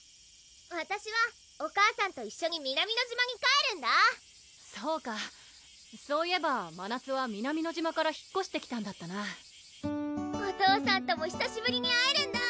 わたしはお母さんと一緒に南乃島に帰るんだそうかそういえばまなつは南乃島から引っこしてきたんだったなお父さんともひさしぶりに会えるんだ